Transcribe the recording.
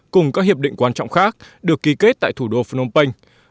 cùng các hiệp định quan trọng khác được ký kết tại thủ đô phnom penh